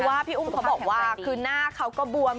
เพราะว่าพี่อุ้มเขาบอกว่าคือหน้าเขาก็บวม